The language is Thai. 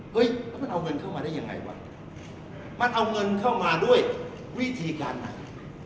เฮ้ยแล้วมันเอาเงินเข้ามาได้ยังไงวะมันเอาเงินเข้ามาด้วยวิธีการไหน